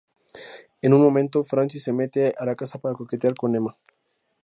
En un momento, Francis se mete a la casa para coquetear con Emma.